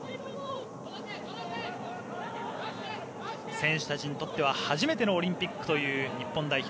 選手たちにとっては初めてのオリンピックという日本代表。